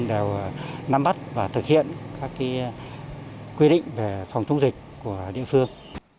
đều nắm bắt và thực hiện các quy định về phòng chống dịch của địa phương